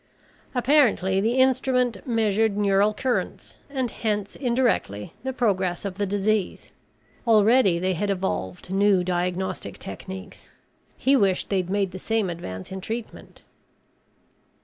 Apparently the instrument measured neural currents and hence indirectly the progress of the disease. Already they had evolved new diagnostic techniques. He wished they'd made the same advance in treatment.